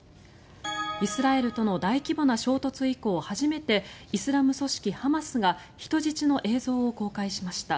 イスラエルとの大規模な衝突以降初めてイスラム組織ハマスが人質の映像を公開しました。